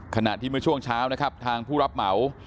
ขณะที่เมื่อช่วงเช้านะครับทางผู้รับเหมา